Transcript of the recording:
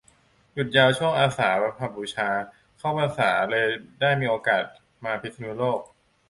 หยุดยาวช่วง อาสาฬบูชาเข้าพรรษา เลยได้มีโอกาสมาพิษณุโลก